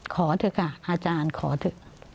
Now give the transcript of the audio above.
ขอเถอะค่ะอาจารย์ขอเถอะ